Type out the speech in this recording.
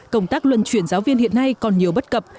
công tác luân chuyển giáo viên hiện nay còn nhiều bất cập